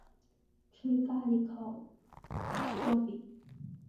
吃咖哩烤饼